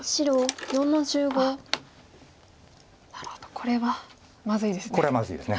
これはまずいですね。